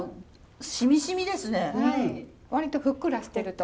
割とふっくらしてると。